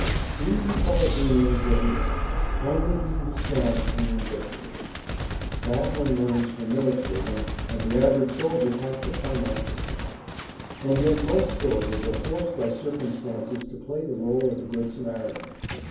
"He who falls remains where he lies; only he who stands can win victories." That one learns from militarism and the average soldier acts upon that principle. And yet most soldiers are forced by circumstances to play the rôle of the good Samaritan.